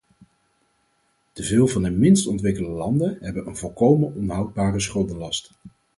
Te veel van de minst ontwikkelde landen hebben een volkomen onhoudbare schuldenlast.